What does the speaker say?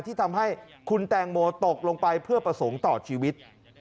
ที่ทำให้คุณแตงโมตกลงไปเพื่อประสงค์ต่อชีวิต